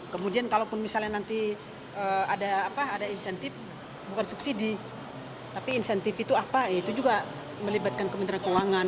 kemudian kalaupun misalnya nanti ada insentif bukan subsidi tapi insentif itu apa itu juga melibatkan kementerian keuangan